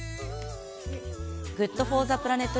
ＧｏｏｄＦｏｒｔｈｅＰｌａｎｅｔ